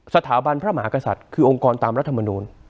สถาบันพระมหากษัตริย์คือองค์กรตามรัฐมนูล